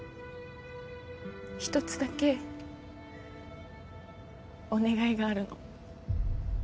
ひとつだけお願いがあるの。